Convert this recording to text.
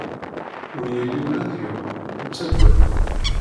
Ur yelli ula d yiwen, ur ttagad.